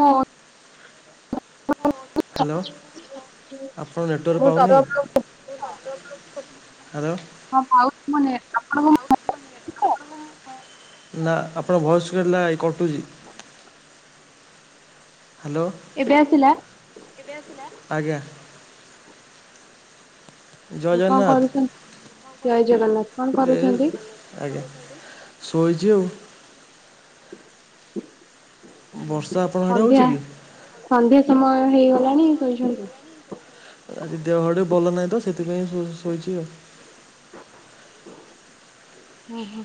ହଁ। ହ୍ୟାଲୋ ଆପଣ ନେଟୱାର୍କ ପାଉନି। ହ୍ୟାଲୋ। ହଁ ପାଉଚି ମୋ ନେଟ୍। ନା ଆପଣ ଭଏସ ଏଇ କଟୁଛି। ହ୍ୟାଲୋ। ଏବେ ଆସିଲା। ଆଜ୍ଞା। ମୁଁ କଣ କରୁଛନ୍ତି? ଜୟ ଜଗନ୍ନାଥ। ଏ ଆଜ୍ଞା ଶୋଇଛି ଆଉ। ବର୍ଷା ଆପଣ ଆଡେ ହେଉଛି କି? ସନ୍ଧ୍ୟା ସମୟ ହେଇଗଲାଣି ଶୋଇଛନ୍ତି। ଆଜି ଦେହ ଘଡେ ଭଲ ନାହିଁ ତ ସେଥିପାଇଁ ଶୋ ଶୋଇଛି ଆଉ। ଓ ହୋ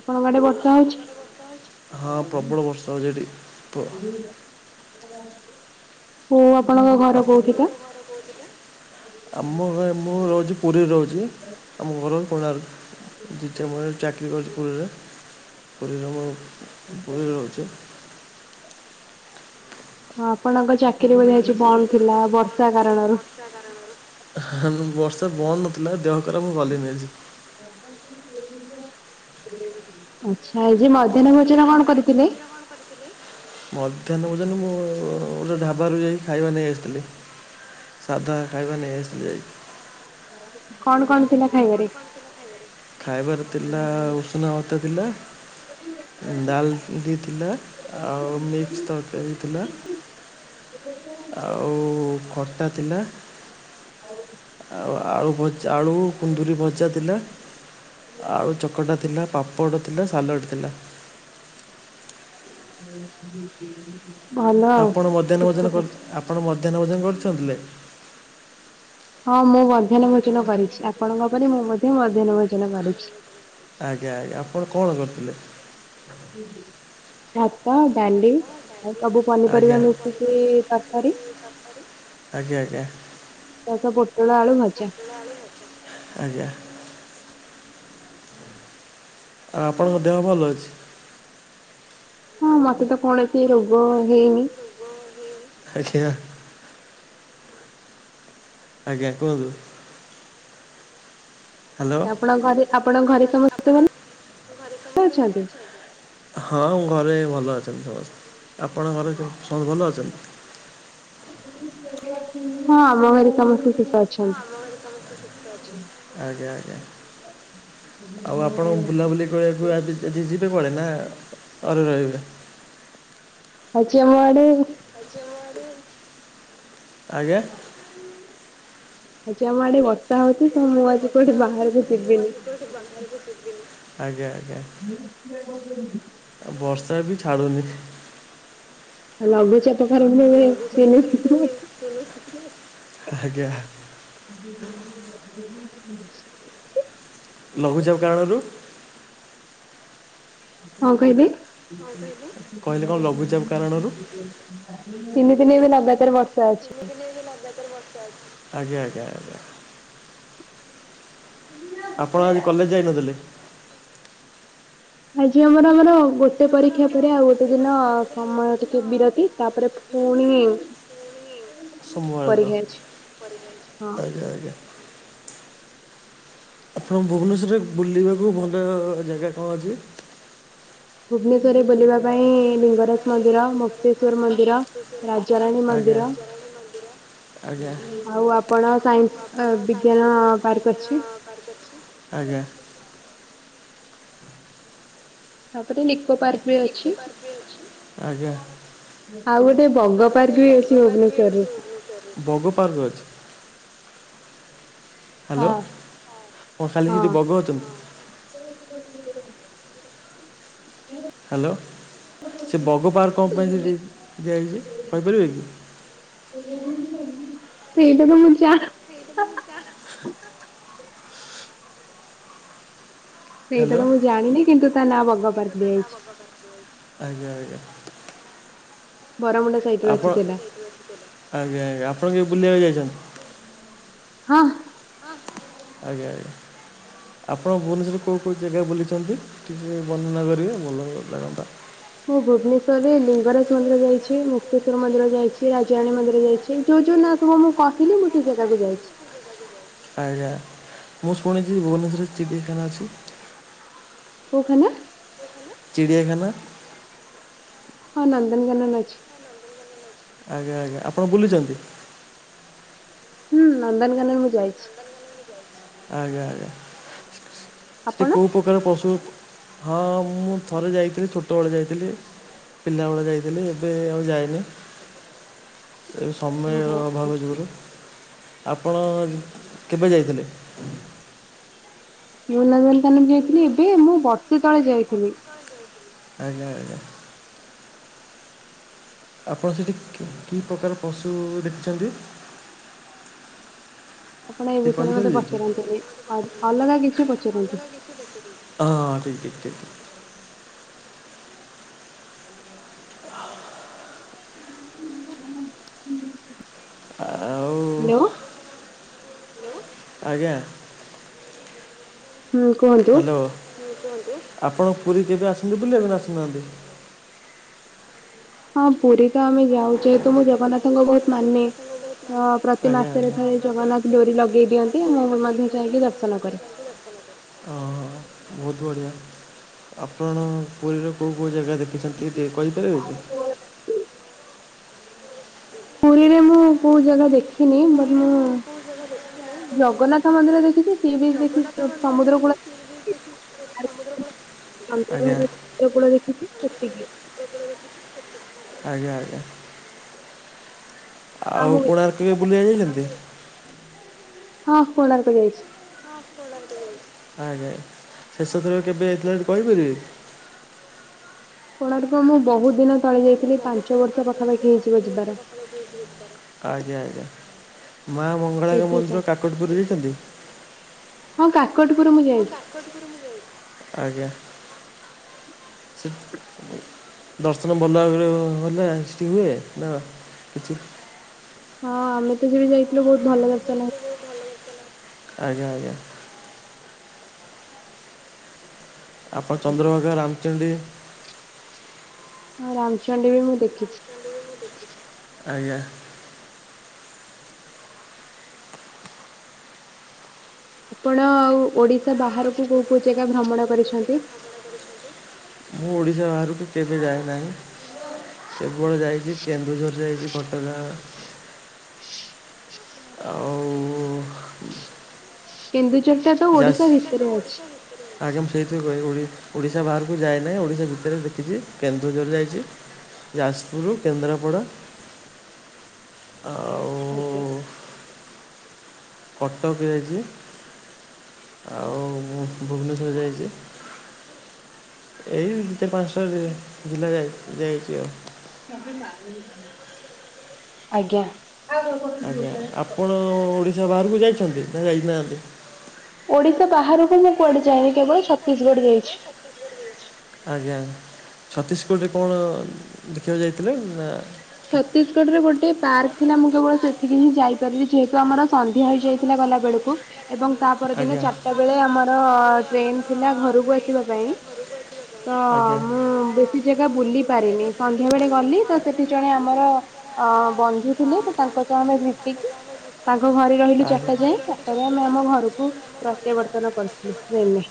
ଆପଣଙ୍କ ଆଡେ ବର୍ଷା ହଉଛି। ହଁ ପ୍ରବଳ ବର୍ଷା ହଉଚି ଏଠି। କୋଉ ଆପଣଙ୍କ ଘର କହୁଠିକା। ଆମ ଘ ମୁଁ ରହୁଛି ପୁରୀ ରହୁଛି। ଆମ ଘର କୋଣାର୍କ। ଦିତ ମର ଚାକରୀ କରୁଛି ପୁରୀରେ। ପୁରୀରେ ପୁରୀରେ ରହୁଛି। [unintelligible] ହଁ ଆପଣଙ୍କ ଚାକିରୀ ବି ଆଜି ବନ୍ଦ ଥିଲା ବର୍ଷା କାରଣରୁ ବର୍ଷା ବନ୍ଦ ନଥିଲା, ଦେହ ଖରାପ ମୁଁ ଗଲିନି ଆଜି। [unintelligible] ଆଛା, ଆଜି ମଧ୍ୟାହ୍ନ ଭୋଜନ କଣ କରିଥିଲେ? ମଧ୍ୟାହ୍ନ ବଜନ ମୁଁ ଗୋଟେ ଢ଼ାବାରୁ ଯାଇକି ଖାଇବା ନେଇ ଆସିଥିଲି। ସାଧାଖାଇବା ନେଇ ଆସିଥିଲି। କଣ କଣ ଥିଲା ଖାଇବାରେ? ଖାଇବାରେ ଥିଲା, ଉଷୁନା ଭାତ ଥିଲା। ଡାଲ ଥିଲା ଆଉ ମିକ୍ସ ତରକାରୀ ଥିଲା। ଆଉ ଖଟା ଥିଲା। ଆଉ ଉ ଆଉ ଆଳୁ ଭଜା, ଆଳୁ କୁନ୍ଦୁରି ଭଜା ଥିଲା, ଆଳୁ ଚକଟା ଥିଲା, ପାପ ପାମ୍ପଡ ଥିଲା ସାଲଟ ଥିଲା। ଭଲ ଆଉ ଆପଣ ମଧ୍ୟାହ୍ନ ଭୋଜନ କରିଛନ୍ତି? [unintelligible] ହଁ ମୁଁ ମଧ୍ୟାହ୍ନ ଭୋଜନ କରିଛି, ଆପଣଙ୍କ ପରି ମୁଁ ମଧ୍ୟ ମଧ୍ୟାହ୍ନ ଭୋଜନ କରିଛି। ଆଜ୍ଞା ଆଜ୍ଞା, ଆପଣ କଣ କରିଥିଲେ? ଭାତ, ଡାଲି ଆଉ ସବୁ ପନିପରିବା ମିଶିକି ତରକାରି। ଆଜ୍ଞା ଆଜ୍ଞା। ତାର ତ ପୋଟଳ ଆଳୁ ମଜା। ଆଜ୍ଞା ଆଉ ଆପଣଙ୍କ ଦେହ ଭଲ ଅଛି? ହଁ ମତେ ତ କୌଣସି ରୋଗ ହେଇନି। ଆଜ୍ଞା। ଆଜ୍ଞା କୁହନ୍ତୁ? ହାଲୋ, ଆପଣ ଆଡେ ଆପଣଙ୍କ ଆଡ଼େ ସମସ୍ତେ ଭଲ ଅଛନ୍ତି? ହଁ ଘରେ ଭଲ ଅଛନ୍ତି ସମସ୍ତେ, ଆପଣଙ୍କ ଘରେ ସମସ୍ତେ ଭଲ ଅଛନ୍ତି। ହଁ ମୋ ଘରେ ସମସ୍ତେ ସୁସ୍ଥ ଅଛନ୍ତି। ଆଜ୍ଞା ଆଜ୍ଞା, ଆଉ ଆପଣ ବୁଲାବୁଲି ରହିବାକୁ ଯଦି ଯିବେ ପଡେ ନା ଘରେ ରହିବ? ଆଜି ଆମ ଆଡେ ଆଜି ଆମ ଆଡ଼େ ଆଜ୍ଞା ଆଜି ଆମ ଆଡେ ବର୍ଷା ହଉଛି, ତ ମୁଁ ଆଜି କୋଉଠି ବାହାରକୁ ଯିବିନି। କହୁଚି ବାହାରକୁ ଯିବିନି। ଆଜ୍ଞା ଆଜ୍ଞା। ମୁଁ କିଏ କହୁଚନ୍ତି? ଆଉ ବର୍ଷା ବି ଛାଡୁନି। [unintelligible] [unintelligible] ଆଜ୍ଞା ଆ [unintelligible] ଲଘୁଚାପ କାରଣରୁ କଣ କହିଲେ? ତିନି ଦିନେ ଏ ବି ଲଗାତାର ବର୍ଷା ଅଛି। [unintelligible] ଲଗାତର ବର୍ଷାଅଛି। ଆଜ୍ଞା ଆଜ୍ଞା ଆଜ୍ଞା। ଆପଣ ଆଜି କଲେଜ ଯାଇନଥିଲେ? ଆଜି ଆମର ଆମର ଗୋଟେ ପରୀକ୍ଷା, ପରେ ଆଉ ଗୋଟେ ଦିନ ସମୟ ଟିକେ ବିରତି ତାପରେ ପୁଣି ପରୀକ୍ଷା ଅଛି ହଁ। ଆଜ୍ଞା। ଆପଣ ଭୁବନେଶ୍ୱରରେ ବୁଲିବାକୁ ଭଲ ଜାଗା କଣ ଅଛି? ଭୁବନେଶ୍ୱରରେ ବୁଲିବା ପାଇଁ ଲିଙ୍ଗରାଜ ମନ୍ଦିର, ମୁକ୍ତେଶ୍ଵର ମନ୍ଦିର, ରାଜାରାଣୀ ମନ୍ଦିର। ଆଉ ଆପଣ ସାଇନ୍ସ ଏ ବିଜ୍ଞାନ ପାର୍କ ଅଛି। ଆଜ୍ଞା। ତାପରେ ନିକୋ ପାର୍କ ବି ଅଛି ଆଉ ଗୋଟେ ବଙ୍ଗ ପାର୍କ ବି ଅଛି ଭୁବନେଶ୍ଵରରେ। ବଗୁ ପାର୍କ ରେ ଅଛି। ହଁ ହଁ। ହ୍ୟାଲୋ ସେ ବଗ ପାର୍ କମ୍ପାନୀ ଦିଆଯାଇଛି କହିପାରିବେ କି। ସେଇଟା ତ ମୁଜା ସେଇଟା ତ ମୁଁ ଜାଣିନି। ସେଇଟା ତ ମୁଁ ଜାଣିନି କିନ୍ତୁ ତା ନାଁ ବଙ୍ଗ ପାର୍କ ଦିଆଯାଇଛି। ଆଜ୍ଞା ଆଜ୍ଞା। ବରା ମୁଣ୍ଡ ଆପଣ ଆଜ୍ଞା ଆଜ୍ଞା ଆପଣ କେହି ବୁଲିବାକୁ ଯାଇଛନ୍ତି। ହଁ। ଆଜ୍ଞା ଆଜ୍ଞା। ଆପଣ ଭୁବନେଶ୍ୱରରେ କୋଉ କୋଉ ଜାଗା ବୁଲିଛନ୍ତି ଟିକେ ବର୍ଣନା କରିବେ ଭଲ ଲାଗନ୍ତା। ମୁଁ ଭୁବନେଶ୍ଵର ରେ ଲିଙ୍ଗରାଜ ମନ୍ଦିର ଯାଇଛି, ମୁକ୍ତେଶ୍ଵର ମନ୍ଦିର ଯାଇଛି, ରାଜାରଣୀ ମନ୍ଦିର ଯାଇଛି। ଯୋଉ ଯୋଉ ନା ସବୁ ମୁଁ କହିଲି, ମୁଁ ସେଇ ଜାଗାକୁ ଯାଇଛି। ଆଜ୍ଞା ମୁଁ ଶୁଣିଛି, ଭୁବନେଶ୍ୱରରେ ଚିପିଖାନା ଅଛି। କୋଉ ଖାନା? ଚିଡିଆଖାନା। ହଁ ନନ୍ଦନକାନନ ଅଛି। ଆଜ୍ଞା ଆଜ୍ଞା ଆପଣ ବୁଲିଛନ୍ତି? ହୁଁ ନନ୍ଦନକାନନ ମୁଁ ଯାଇଛିୁ। ଆଜ୍ଞା ଆଜ୍ଞା ସେ ସେ କୋଉ ପଟୁ? ରେ ପଶୁ ହଁ ମୁଁ ଥରେ ଯାଇଥିଲି, ଛୋଟବେଳେ ଯାଇଥିଲି। ପିଲାବେଳେ ଯାଇଥିଲି, ଏବେ ଆଉ ଯାଇନି। ସମୟର ଅଭାବ ଯୋଗୁରୁ। ଆପଣ କେବେ ଯାଇଥିଲେ? ମୁଁ ନନ୍ଦନକାନନ ଯାଇଥିଲି, ଏବେ ମୁଁ ବର୍ଷେ ତଳେ ଯାଇଥିଲି। ଆଜ୍ଞା ଆଜ୍ଞା। ଆପଣ ସେଠି କି କି ପ୍ରକାର ପଶୁ ଦେଖିଛନ୍ତି? ଆପଣ ଏ ବିଷୟରେ ମତେ ପଚାରନ୍ତୁନି, ଅଲଗା କିଛି ପଚାରନ୍ତୁ। ହଁ ଠିକ୍ ଠିକ୍ ଠିକ୍। [inaudible] ଆ ଆଉ ହ୍ୟାଲୋ। ଆଜ୍ଞା। ହ୍ୟାଲୋ, ଆପଣ ପୁରୀ କେବେ ଆସନ୍ତି ବୁଲିିବାକୁ ଆସୁନାହାନ୍ତି? ହଁ ପୁରୀ ତ ଆମେ ଯାଉଛେ ଏତୁ ମୁଁ ଜଗନ୍ନାଥଙ୍କୁ ବହୁତ ମାନେ। ଆଜ୍ଞା ଆଜ୍ଞା। ହଁ ବହୁତ ବଢ଼ିଆ, ଆପଣ ପୁରୀର କେଉଁ କେଉଁ ଜାଗା ଦେଖିଛନ୍ତି? ଟିକେ କହିପାରିବ କି? ପୁରୀରେ ମୁଁ କୋଉ ଜାଗା ଦେଖିନି ବଟ ମୁଁ ଜଗନ୍ନାଥ ମନ୍ଦିର ଦେଖିଛି ସିଏ ବି ଦେଖି ସମୁଦ୍ର କୂଳ ସେ ସମୁଦ୍ର କୁଳ ଚନ୍ଦ୍ର ଭାଗାର ଉପକୂଳ ଦେଖିଚି ସେତିକି। ଉପକୂଳ ଦେଖିଚି ସେତିକି। ଆଜ୍ଞା ଆଜ୍ଞା। ଆଉ କୋଣାର୍କ କେବେ ବୁଲିବାକୁ ଯାଇଛନ୍ତି? ହଁ କୋଣାର୍କ ଯାଇଛି। ହଁ କୋଣାର୍କ ଯାଇଛି। ଆଜ୍ଞା ଶେଷଥର କେବେ ଯାଇଥିଲେ କହିପାରିବେ? କୋଣାର୍କ ମୁଁ ବହୁତ ଦିନ ତଳେ ଯାଇଥିଲି ପାଞ୍ଚ ବର୍ଷ ପାଖାପାଖି ହେଇଯିବ ଯିବାର। [unintelligible] ଆଜ୍ଞା ଆଜ୍ଞା ମା ମଙ୍ଗଳାଙ୍କ ମନ୍ଦିର କାକଟପୁର୍ ଯାଇଛନ୍ତି? ହଁ କାକଟପୁର ମୁଁ ଯାଇଛି। କଟପୁରୀ ମୁଁ ଯାଇଚି। ଆଜ୍ଞା ସେ ଦର୍ଶନ ଭଲ ଭାବରେ ହେଲା ସେଠି ହୁଏ ନା କିଛି ହଁ ଆମେ ତ ଯେବେ ଯାଇଥିଲେ ବହୁତ ଭଲ ଦର୍ଶନ ହେଇଥିଲା। ଆଜ୍ଞା ଆଜ୍ଞା। ଆପଣ ଚନ୍ଦ୍ରଭାଗା, ରାମଚଣ୍ଡୀ ହଁ ରାମଚଣ୍ଡୀ ବି ମୁଁ ଦେଖିଛି। ଆଜ୍ଞା। ଆପଣ ଆ ଓଡିଶା ବାହାରକୁ କୋଉ କୋଉ ଜାଗା ଭ୍ରମଣ କରିଛନ୍ତି? ମୁଁ ଓଡ଼ିଶା ବାହାରାରୁକୁ କେବେ ଯାଇନାହିଁ। କେବଳ ଯାଇଛି କେନ୍ଦୁଝର ଯାଇଛି ଘଟଗାଁ ଆଉ। କେନ୍ଦୁଝର ଟା ତ ଓଡିଶା ଭିତରେ ଅଛି। ଆଜ୍ଞା ଫେରେ ଜୋଉ ଗାଇ ଗୁଳି ଓଡିଶା ବାହାରକୁ ଯାଇଏନାହିଁ ଓଡିଶା ଭିତରେ ଦେଖିଛି କେନ୍ଦୁଝର ଯାଇଛି। ଯାଜପୁର କେନ୍ଦ୍ରାପଡ଼ା ଆଉ। ଆଜ୍ଞା। କଟକ ବି ଯାଇଛି ଆଉ ଭୁବନେଶ୍ୱର ଯାଇଛି ଏଇ ଯେତେ ପାଞ୍ଚଟା ଜିଲ୍ଲା ଯାଇଛି। ଯାଇଛି ଆଉ। ଆଜ୍ଞା। ଆଜ୍ଞା ଆପଣ ଓଡ଼ିଶା ବାହାରକୁ ଯାଇଛନ୍ତି ନା ଯାଇନାହାନ୍ତି? ଓଡିଶା ବାହାରକୁ ମୁଁ କୁଆଡେ ଯାଇନି କେବଳ ଛତିଶଗଡ ଯାଇଛି। ଆଜ୍ଞା ଛତିଶଗଡ଼ରେ କଣ ଦେଖିବାକୁ ଯାଇଥିଲେ ନା ଛତିଶଗଡ ରେ ଗୋଟେ ପାର୍କ ଥିଲା ମୁଁ କେବଳ ସେଠି ହିଁ ଯାଇପାରିବି ଯେହେତୁ ଆମର ସନ୍ଧ୍ୟା ହେଇଯାଇ ଥିଲା ଗଲା ବେଳକୁ ଏବଂ ତା ପର ଦିନ ଚାରିଟା ବେଳେ ଆମର ଟ୍ରେନ ଥିଲା ଘରକୁ ଆସିବା ପାଇଁ। ତ ମୁଁ ବେଶୀ ଜାଗା ବୁଲି ପାରିନି ସନ୍ଧ୍ୟା ବେଳେ ଗଲି ତ ସେ ସେଠି ଜଣେ ଆମର ଅ ବନ୍ଧୁ ଥିଲେ ତ ତାଙ୍କ ତ ଆମେ ଭେଟିକି ତାଙ୍କ ଘରେ ରହିଲୁ ଚାରିଟା ଯାଏଁ ଚାରିଟରେ ଆମେ ଆମ ଘରକୁ ପ୍ରତ୍ୟାବର୍ତ୍ତନ କରିଥିଲୁ ଟ୍ରେନେରେ।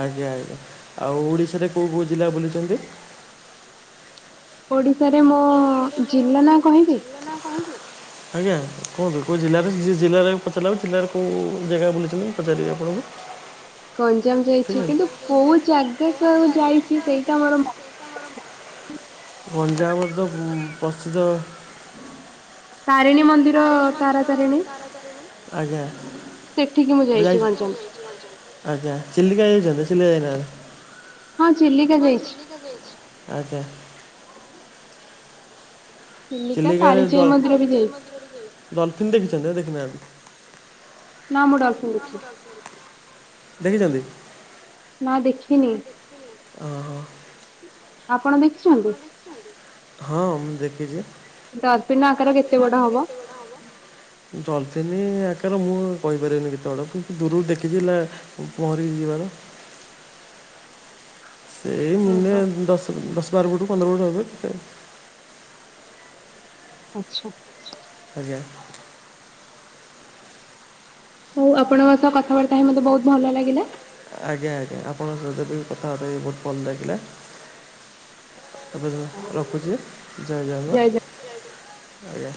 ଆଜ୍ଞା ଆଜ୍ଞା ଆଉ ଓଡ଼ିଶାରେ କଉଁ କଉଁ ଜିଲ୍ଲା ବୁଲିଛନ୍ତି? ଓଡ଼ିଶାରେ ମୋ ଜିଲ୍ଲା ନାଁ କହିବି? ଜିଲ୍ଲା ନା କନ୍ତୁ? ଆଜ୍ଞା କୁହନ୍ତୁ କେଉଁ ଜିଲ୍ଲାରେ ଯିଏ ଜିଲ୍ଲାରେ ପଚାରିଲିବ ଜିଲ୍ଲାରେ କେଉଁ ଜାଗା ବୁଲିଛନ୍ତି ମୁଁ ପଚାରିବି ଆପଣଙ୍କୁ ଗଞ୍ଜାମ ଯାଇଛି କିନ୍ତୁ କୋଉ ଜାଗାକୁକ ଯାଇଛି ସେଇଟା ମୋର ପଞ୍ଜାମର ତ ଉ ପ୍ରସିଦ୍ଧ ତାରିଣୀ ମନ୍ଦିର ତାରାତାରିଣୀ। ଆଜ୍ଞା। ସେଠିକି ମୁଁ ଯାଇଛି ଗଞ୍ଜାମ। ଆଜ୍ଞା ଚିଲିକା ଯାଇଛନ୍ତି ନ ଯାଇନାହାନ୍ତି। ହଁ ଚିଲିକା ଯାଇଛି। ହଁ ଯାଇଛି। ଆଜ୍ଞା। ଚିଲିକାରେ ଡ ଡଲଫିିନ ଦେଖିଛନ୍ତି ନାଁ ଦେଖିନାହାନ୍ତି। ନା ମୁଁ ଡଲଫିନ୍ ଦେଖିନି। ଦେଖିଛନ୍ତି। ନା ଦେଖିନି। ଆପଣ ଦେଖିଛନ୍ତି? ହଁ ମୁଁ ଦେଖିଛି। ଡରଫିନର ଆକାର କେତେ ବଡ ହବ? ଜଲଫେନି ଆକାର ମୁଁ କହିପାରିବିନି କେତେ ବଡ। କିନ୍ତୁ ଦୂରରୁ ଦେଖିଛି ହେଲା। କରିବି [unintelligible] ଏଇ ମୁଣ୍ଡେ ଦଶ ଦଶ ବାର ଫୋଟ ପନ୍ଦର ଫୁଟ ହେବେ। ଆଚ୍ଛା। ଆଜ୍ଞା। ହଉ ଆପଣଙ୍କ ସହ କଥାବାର୍ତ୍ତା ହେଇ ମତେ ବହୁତ ଭଲ ଲାଗିଲା। ଆଜ୍ଞା ଆଜ୍ଞା ଆପଣଙ୍କ ସହିତ ବି କଥାବାର୍ତ୍ତା ହେଇକି ବହୁତ ଭଲ ଲାଗିଲା। ଏବେ ରଖୁଛି। ଜୟ ଜଗନ୍ନାଥ ଆଜ୍ଞା।